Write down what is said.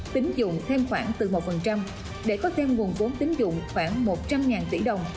tính dụng thêm khoảng từ một để có thêm nguồn vốn tín dụng khoảng một trăm linh tỷ đồng